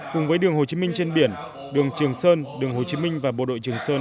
cùng với đường hồ chí minh trên biển đường trường sơn đường hồ chí minh và bộ đội trường sơn